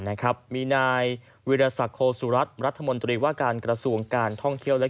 นะครับมีนายวิรสักโคสุรัตน์รัฐมนตรีว่าการกระทรวงการท่องเที่ยวและ